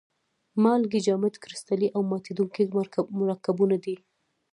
مالګې جامد کرستلي او ماتیدونکي مرکبونه دي.